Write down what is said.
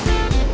ya itu dia